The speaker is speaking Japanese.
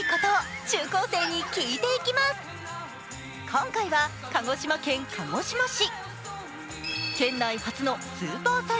今回は、鹿児島県鹿児島市。